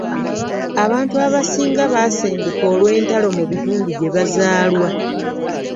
Abantu abasinga baasenguka olw'entalo mu bitundu gye bazaalwa.